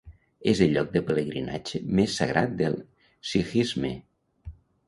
És el lloc de pelegrinatge més sagrat del sikhisme.